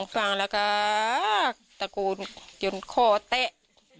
พี่สวัสดีค่ะตะโกนอย่างห้องกล้อแตะ